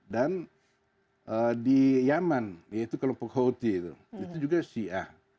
dan di yaman yaitu kelompok houthi itu juga syiah